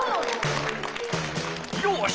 よし！